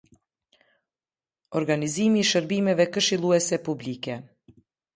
Organizimi i shërbimeve këshilluese publike.